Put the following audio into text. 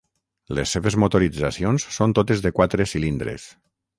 Les seves motoritzacions són totes de quatre cilindres.